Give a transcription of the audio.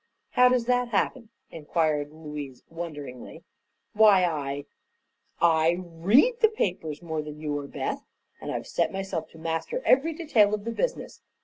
"How does that happen?" inquired Louise, wonderingly. "Why, I I read the papers more than you or Beth. And I've set myself to master every detail of the business.